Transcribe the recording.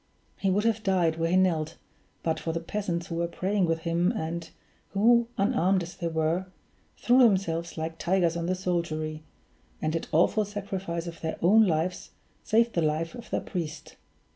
He would have died where he knelt, but for the peasants who were praying with him, and who, unarmed as they were, threw themselves like tigers on the soldiery, and at awful sacrifice of their own lives saved the life of their priest.